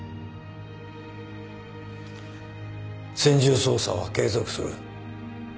専従捜査は継続する。